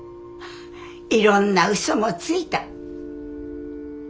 いろんなうそもついた。